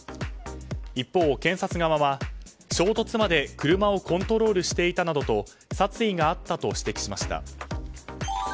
一方、検察側は衝突まで車をコントロールしていたなどと殺意があったと指摘しました。